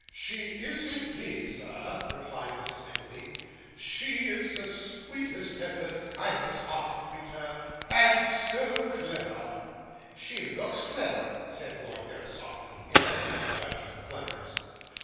'She is indeed, sir,' replied Mrs. Nickleby; 'she is the sweetest tempered, kindest hearted creature and so clever!' 'She looks clayver,' said Lord Verisopht, with the air of a judge of cleverness.